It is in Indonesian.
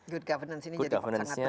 good governance ini jadi sangat penting